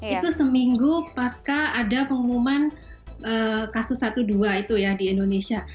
itu seminggu pasca ada pengumuman kasus satu dua itu ya di indonesia